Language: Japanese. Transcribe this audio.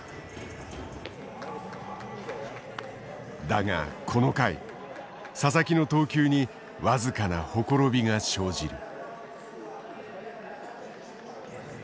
だがこの回佐々木の投球に僅かな綻びが生じる。